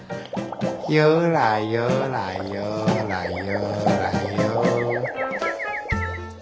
ゆらゆらゆらゆらゆ。